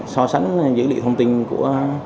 so sánh dữ liệu thông tin của